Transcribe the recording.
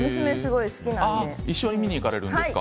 一緒に見に行かれるんですか？